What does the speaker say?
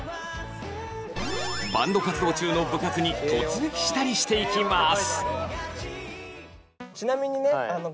バンド活動中の部活に突撃したりしていきます